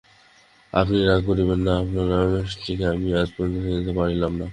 আপনি রাগ করিবেন না, আপনাদের রমেশটিকে আমি আজ পর্যন্ত চিনিতে পারিলাম না।